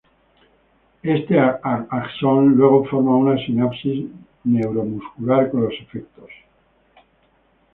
Este axón luego forma una sinapsis neuromuscular con los efectores.